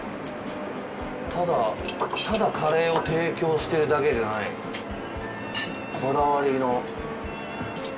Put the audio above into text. ただただカレーを提供してるだけじゃないこだわりの。